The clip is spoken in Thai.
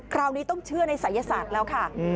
คราวนี้ต้องเชื่อในศัยศาสตร์แล้วค่ะ